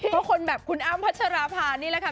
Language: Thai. เพราะคนแบบคุณอ้ามพัชรภาณนี่แหละค่ะ